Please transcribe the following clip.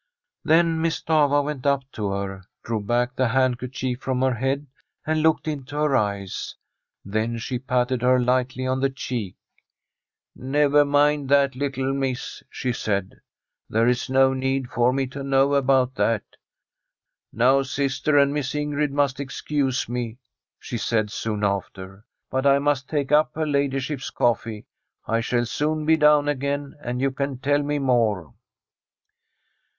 Then Miss Stafva went up to her, drew back the Fr$m a SH^EDISH HOMESTEAD handkerchief from her head, and looked into her eyes. Then she patted her lightly on the cheek. ' Never mind that, little miss/ she said. * There is no need for me to know about that. Now sister and Miss Ingrid must excuse me/ she said soon after, ' but I must take up her ladyship's coffee. I shall soon be down again, and you can tell me more.'